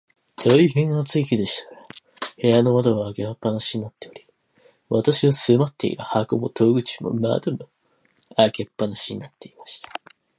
大へん暑い日でしたが、部屋の窓は開け放しになっており、私の住まっている箱の戸口も窓も、開け放しになっていました。